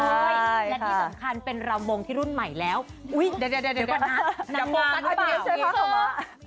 และที่สำคัญเป็นลำวงที่รุ่นใหม่แล้วเดี๋ยวก่อนนะนางบางหรือเปล่า